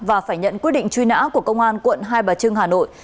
và phải nhận quyết định truy nã của công an quận hai bà trưng hà nội